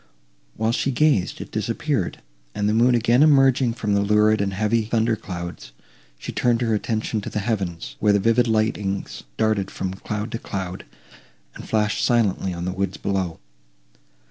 While she gazed, it disappeared, and, the moon again emerging from the lurid and heavy thunder clouds, she turned her attention to the heavens, where the vivid lightnings darted from cloud to cloud, and flashed silently on the woods below.